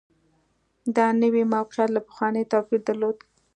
دا نوي موقعیت له پخواني توپیر درلود